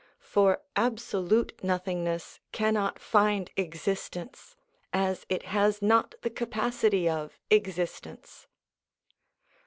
For absolute nothingness cannot find existence, as it has not the capacity of existence.